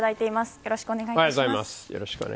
よろしくお願いします。